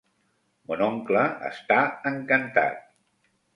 Mon oncle està encantat.